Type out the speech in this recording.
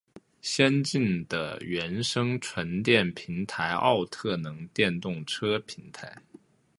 先进的原生纯电平台奥特能电动车平台